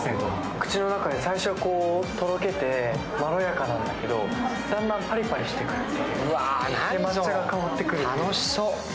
口の中で最初はとろけてまろやかなんだけど、だんだんパリパリしてきます。